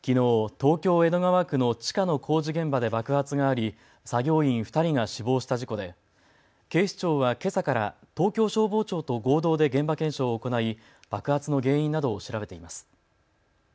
東京江戸川区の地下の工事現場で爆発があり作業員２人が死亡した事故で警視庁はけさから東京消防庁と合同で現場検証を行い爆発の原因などを調べています。